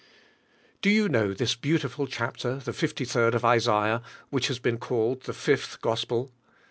DO yon know this beautiful chapter, tlio fifty third of Isaiah, which lias been called the fifth Gosjtel?